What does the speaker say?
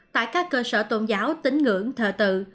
tại các cơ sở tôn giáo tính ngưỡng thờ tự